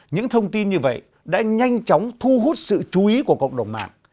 những thông tin như vậy đã nhanh chóng thu hút sự chú ý của cộng đồng mạng